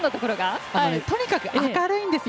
とにかく明るいんですよ。